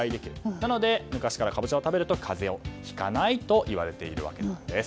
なので、昔からカボチャを食べると風邪をひかないと言われているんです。